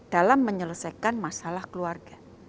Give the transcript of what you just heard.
dalam menyelesaikan masalah keluarga